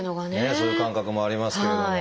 そういう感覚もありますけれども。